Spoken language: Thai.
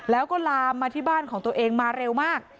แล้วก็ลามมาที่บ้านของตัวเองมาเร็วมาก